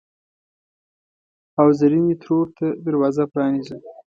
او زرینې ترور ته دروازه پرانیزه!